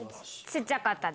小っちゃかった！